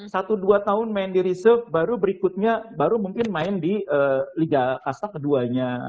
satu dua tahun main di reserve baru berikutnya baru mungkin main di liga kasta keduanya